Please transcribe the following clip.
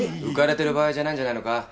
浮かれてる場合じゃないんじゃないのか？